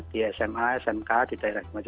di sma smk di daerah